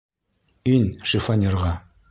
Ин шифоньерға!